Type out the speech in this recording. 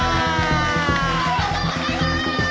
ありがとうございます！